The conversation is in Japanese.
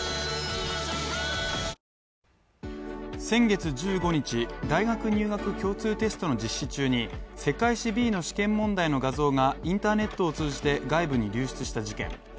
先月１５日、大学入学共通テストの実施中に世界史Ｂの試験問題の画像がインターネットを通じて外部に流出した事件。